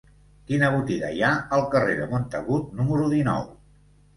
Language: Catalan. Quina botiga hi ha al carrer de Montagut número dinou?